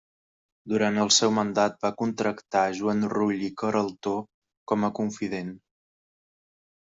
Durant el seu mandat va contractar Joan Rull i Queraltó com a confident.